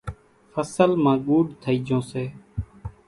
ڦصل مان ڳُوڏ ٿئِي جھون سي۔